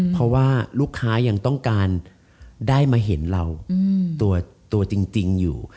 เพราะว่าลูกค้ายังต้องการได้มาเห็นเราตัวจริงอยู่